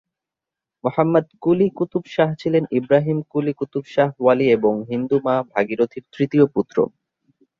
মুহাম্মদ কুলি কুতুব শাহ ছিলেন ইবরাহিম কুলি কুতুব শাহ ওয়ালি এবং হিন্দু মা ভাগীরথীর তৃতীয় পুত্র।